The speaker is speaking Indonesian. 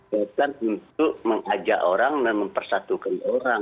ya kan untuk mengajak orang dan mempersatukan